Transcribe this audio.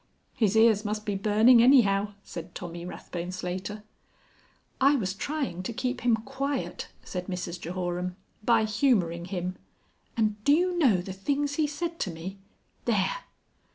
"His ears must be burning anyhow," said Tommy Rathbone Slater. "I was trying to keep him Quiet," said Mrs Jehoram. "By humouring him. And do you know the things he said to me there!"